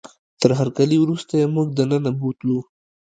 تر هرکلي وروسته یې موږ دننه بوتلو.